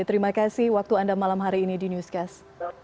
terima kasih waktu anda malam hari ini di newscast